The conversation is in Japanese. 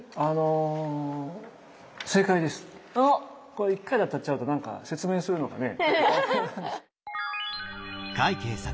これ１回で当たっちゃうと何か説明するのがね。